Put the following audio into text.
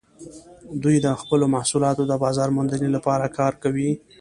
دوی د خپلو محصولاتو د بازارموندنې لپاره کار کوي